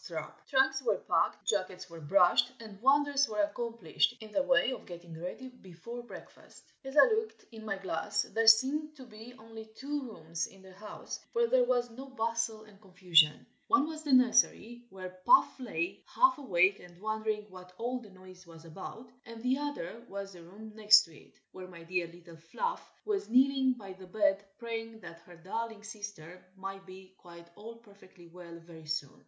Trunks were packed, jackets were brushed, and wonders were accomplished in the way of getting ready before breakfast. As I looked in my glass, there seemed to be only two rooms in the house where there was no bustle and confusion: one was the nursery, where Puff lay, half awake and wondering what all the noise was about; and the other was the room next to it, where my dear little Fluff was kneeling by the bed, praying that her darling sister might be "quite all perfectly well" very soon.